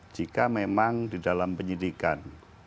jika memang di dalam penyidikan